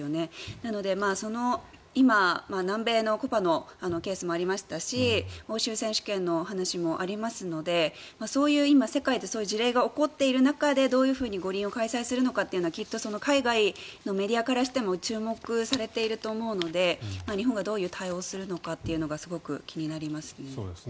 なので、今、南米のコパのケースもありましたし欧州選手権の話もありますので今、世界でそういう事例が起こっている中でどういうふうに五輪を開催するのかっていうのはきっと海外のメディアからしても注目されていると思うので日本がどういう対応をするのかというのがすごく気になりますね。